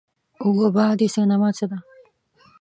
اووه بعدی سینما څه ده؟